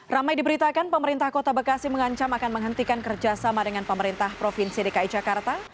ramai diberitakan pemerintah kota bekasi mengancam akan menghentikan kerjasama dengan pemerintah provinsi dki jakarta